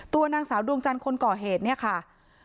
ตัวนางสาวดวงจันทร์คนก่อเหตุเนี่ยค่ะ